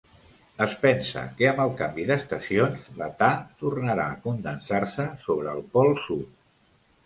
Es pensa que amb el canvi d'estacions, l'età tornarà a condensar-se sobre el pol sud.